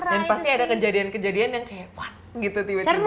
dan pasti ada kejadian kejadian yang kayak what gitu tiba tiba